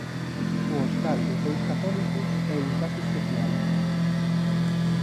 O Hostal dos Reis Católicos é un caso especial.